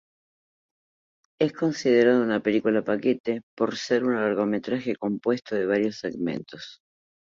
Es considerado una "película-paquete", por ser un largometraje compuestos de varios segmentos.